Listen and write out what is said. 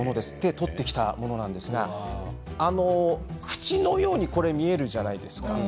取ってきたものなんですが口のように見えるじゃないですか。